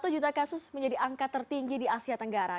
satu juta kasus menjadi angka tertinggi di asia tenggara